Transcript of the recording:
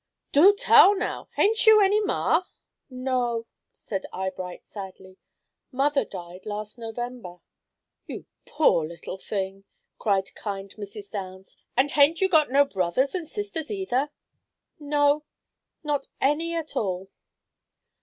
"Do tell now. Hain't you any Ma?" "No," said Eyebright, sadly. "Mother died last November." "You poor little thing!" cried kind Mrs. Downs; "and hain't you got no brothers and sisters either?" "No; not any at all."